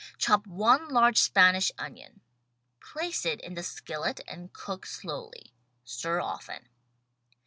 Chop one large Spanish onion. Place it in the skillet and cook slowly. Stir often.